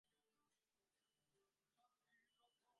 মুখের দিকে তাকিয়ে রইল।